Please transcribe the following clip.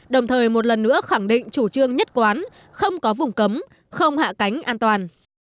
đồng thời một lần nữa khẳng định chủ trương nhất quán không có vùng cấm không hạ cánh an toàn